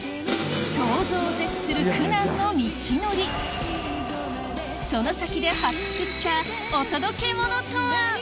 想像を絶する苦難の道のりその先で発掘したお届けモノとは？